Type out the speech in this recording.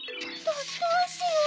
どうしよう？